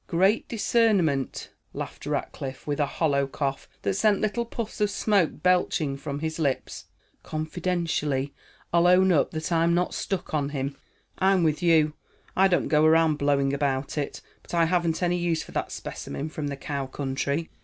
"Great discernment," laughed Rackliff, with a hollow cough that sent little puffs of smoke belching from his lips. "Confidentially, I'll own up that I'm not stuck on him." "I'm with you. I don't go around blowing about it, but I haven't any use for that specimen from the cow country."